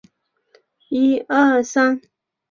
碑记桥位于重庆市涪陵区蒲江乡碑记关村。